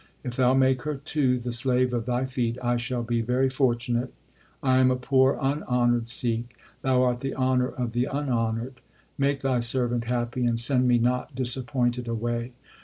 If thou make her too the slave of thy feet, I shall be very fortunate. I am a poor un honoured Sikh. Thou art the honour of the un honoured. Make thy servant happy, and send me not disappointed away.